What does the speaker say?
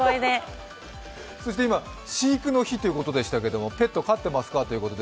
今、飼育の日ということでしたが、ペット飼ってますか？